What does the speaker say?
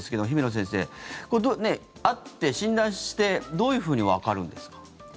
先生、会って診断してどういうふうにわかるんですか。